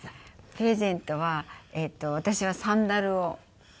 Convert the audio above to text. プレゼントは私はサンダルをもらいました。